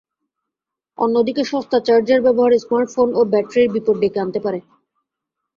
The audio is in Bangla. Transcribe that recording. অন্যদিকে সস্তা চার্জার ব্যবহারে স্মার্টফোন ও ব্যাটারির বিপদ ডেকে আনতে পারে।